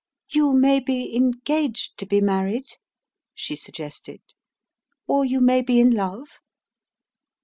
"You may be engaged to be married?" she suggested. "Or you may be in love?"